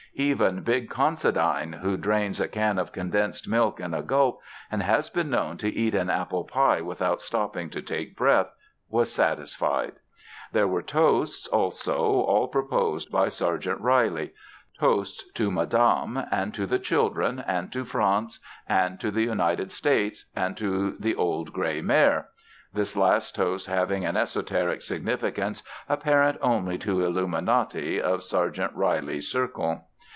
Even big Considine, who drains a can of condensed milk at a gulp and has been known to eat an apple pie without stopping to take breath, was satisfied. There were toasts, also, all proposed by Sergeant Reilly toasts to Madame, and to the children, and to France, and to the United States, and to the Old Gray Mare (this last toast having an esoteric significance apparent only to illuminati of Sergeant Reilly's circle).